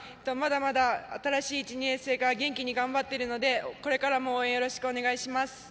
まだまだ新しい１、２年生が元気に頑張っているのでこれからも応援、よろしくお願いします。